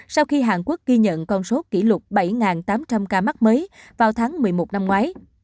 sau khi hàn quốc ghi nhận con số kỷ lục bảy tám trăm linh ca mắc mới vào tháng một mươi một năm ngoái